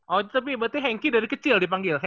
oh tapi berarti henky dari kecil dipanggil